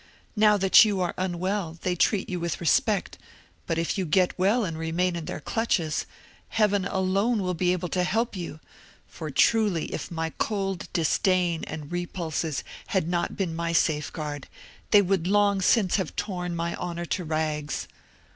Now that you are unwell, they treat you with respect; but if you get well and remain in their clutches, Heaven alone will be able to help you; for truly, if my cold disdain and repulses had not been my safeguard, they would long since have torn my honour to rags.